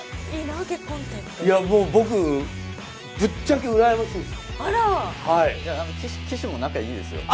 僕、ぶっちゃけ、うらやましいです。